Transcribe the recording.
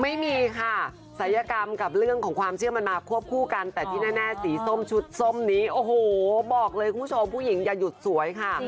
ไม่มีค่ะศัยกรรมกับเรื่องของความเชื่อมันมาควบคู่กันแต่ที่แน่สีส้มชุดส้มนี้โอ้โหบอกเลยคุณผู้ชมผู้หญิงอย่าหยุดสวยค่ะ